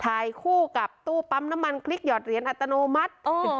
ถ่ายคู่กับตู้ปั๊มน้ำมันคลิกหอดเหรียญอัตโนมัติ